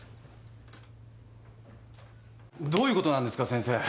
どういうことなんですか先生！